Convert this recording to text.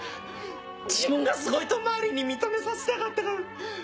自分がすごいと周りに認めさせたかったから。